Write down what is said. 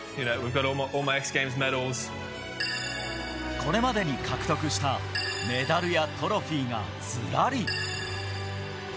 これまでに獲得したメダルやトロフィーがずらり。